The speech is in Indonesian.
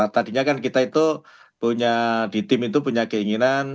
tadinya kan kita itu di tim itu punya keinginan